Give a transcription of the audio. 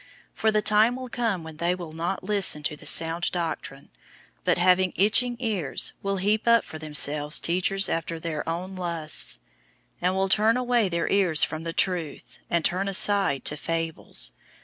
004:003 For the time will come when they will not listen to the sound doctrine, but, having itching ears, will heap up for themselves teachers after their own lusts; 004:004 and will turn away their ears from the truth, and turn aside to fables.